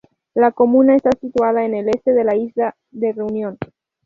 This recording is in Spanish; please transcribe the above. La comuna está situada en el este de la isla de Reunión.